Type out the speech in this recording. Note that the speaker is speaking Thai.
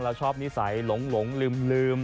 แล้วชอบนิสัยหลงลืม